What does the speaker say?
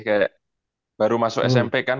kayak baru masuk smp kan